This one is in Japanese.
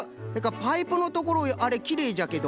パイプのところあれきれいじゃけど。